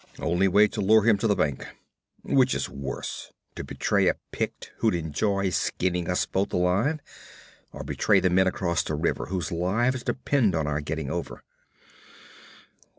'Only way to lure him to the bank. Which is worse to betray a Pict who'd enjoy skinning us both alive, or betray the men across the river whose lives depend on our getting over?'